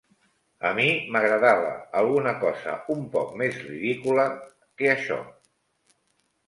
A mi m'agradava alguna cosa un poc més ridícula que això.